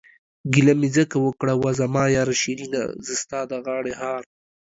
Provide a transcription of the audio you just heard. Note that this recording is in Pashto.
گيله مې ځکه اوکړه وا زما ياره شيرينه، زه ستا د غاړې هار...